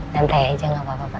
nanti aja enggak apa apa pak